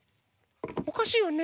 おかしいわね。